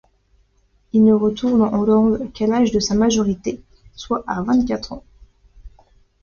Il ne retourne en Hollande qu'à l'âge de sa majorité, soit à vingt-quatre ans.